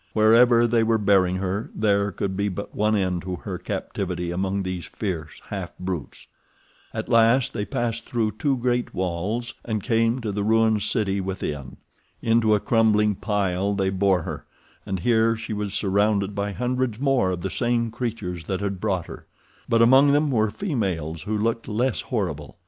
Wherever they were bearing her, there could be but one end to her captivity among these fierce half brutes. At last they passed through two great walls and came to the ruined city within. Into a crumbling pile they bore her, and here she was surrounded by hundreds more of the same creatures that had brought her; but among them were females who looked less horrible.